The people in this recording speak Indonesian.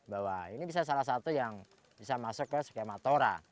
bahwa ini bisa salah satu yang bisa masuk ke skema tora